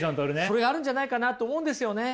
それあるんじゃないかなと思うんですよね。